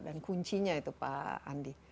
dan kuncinya itu pak andi